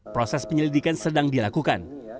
proses penyelidikan sedang dilakukan